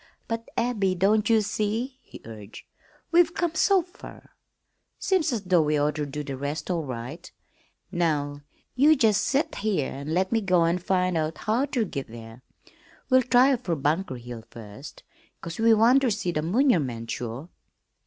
"But, Abby, don't ye see?" he urged. "We've come so fer, seems as though we oughter do the rest all right. Now, you jest set here an' let me go an' find out how ter git there. We'll try fer Bunker Hill first, 'cause we want ter see the munurmunt sure."